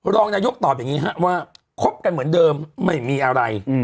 รองนายกตอบอย่างนี้ฮะว่าคบกันเหมือนเดิมไม่มีอะไร